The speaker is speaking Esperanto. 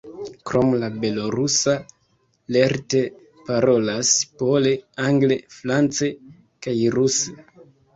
Krom la belorusa lerte parolas pole, angle, france kaj ruse.